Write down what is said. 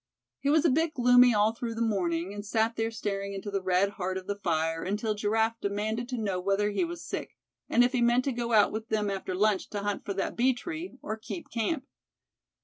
He was a bit gloomy all through the morning, and sat there staring into the red heart of the fire until Giraffe demanded to know whether he was sick; and if he meant to go out with them after lunch to hunt for that bee tree, or keep camp.